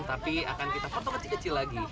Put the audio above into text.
tapi akan kita potong kecil kecil lagi